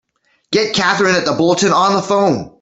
Get Katherine at the Bulletin on the phone!